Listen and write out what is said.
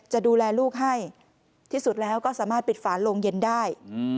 จะดูแลลูกให้ที่สุดแล้วก็สามารถปิดฝานโรงเย็นได้